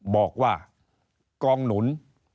บอกว่ากองหนุน